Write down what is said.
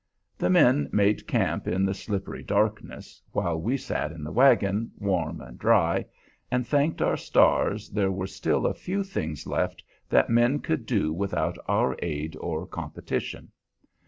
The men made camp in the slippery darkness, while we sat in the wagon, warm and dry, and thanked our stars there were still a few things left that men could do without our aid or competition.